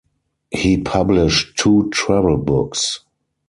He published two travel books.